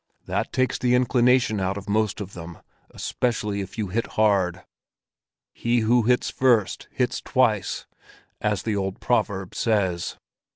That takes the inclination out of most of them, especially if you hit hard; he who hits first hits twice, as the old proverb says.